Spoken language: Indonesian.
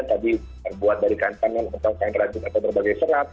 tadi terbuat dari kain kain yang berbagai serat